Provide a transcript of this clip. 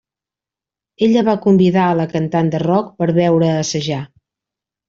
Ella va convidar a la cantant de rock per veure assajar.